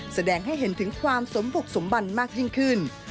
แสดงให้เห็นถึงความสมบุกสมบันมากยิ่งขึ้น